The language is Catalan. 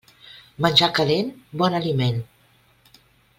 Menjar calent, bon aliment.